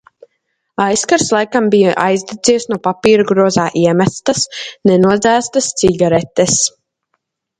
Aizkars laikam bija aizdedzies no papīru grozā iemestas nenodzēstas cigaretes.